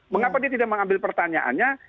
mengapa dia tidak mengambil pertanyaannya